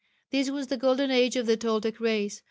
This was the golden age of the Toltec race.